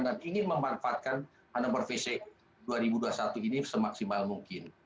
dan ingin memanfaatkan anugerah vc dua ribu dua puluh satu ini semaksimal mungkin